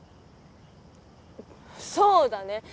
そうだね。